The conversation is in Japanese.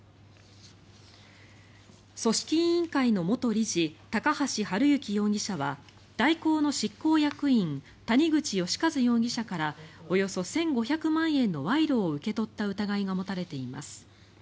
組織委員会の元理事高橋治之容疑者は大広の執行役員谷口義一容疑者からおよそ１５００万円の賄賂を受け取った疑いが持たれています。